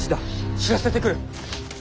知らせてくる。